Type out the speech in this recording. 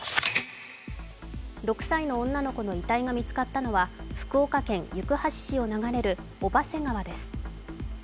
６歳の女の子の遺体が見つかったのは福岡県行橋市を流れる小波瀬川です。